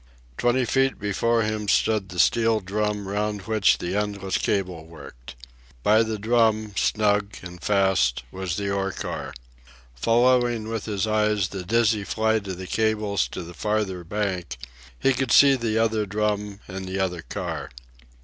Twenty feet before him stood the steel drum round which the endless cable worked. By the drum, snug and fast, was the ore car. Following with his eyes the dizzy flight of the cables to the farther bank, he could see the other drum and the other car.